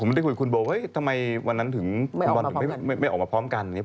ผมได้คุยกับคุณโบว่าทำไมวันนั้นถึงไม่ออกมาพร้อมกัน